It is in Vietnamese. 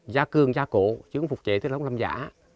gia cương gia cổ chứ không phục trễ chứ không làm giả